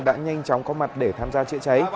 đã nhanh chóng có mặt để tham gia chữa cháy